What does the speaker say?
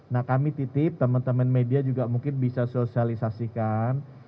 nah kami titip teman teman media juga mungkin bisa sosialisasikan